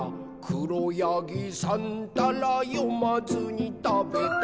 「しろやぎさんたらよまずにたべた」